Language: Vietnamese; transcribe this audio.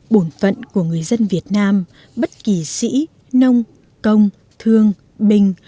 bổn phận của người dân việt nam bất kỳ sĩ nông công thương bình